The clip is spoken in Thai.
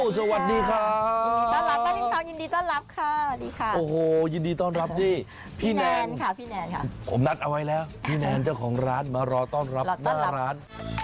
สวัสดีค่ะคุณนานสวัสดีค่ะยิ่งดีท้อนรับค่ะพี่แนนของของร้านมารอรอต้อนรับหน้าร้าน